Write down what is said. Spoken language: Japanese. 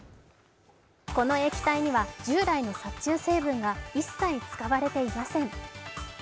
この液体には従来の殺虫成分が一切使われていません。